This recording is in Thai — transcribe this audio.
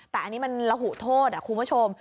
แต่อันนี้มันระหุโทษคุณผู้ชม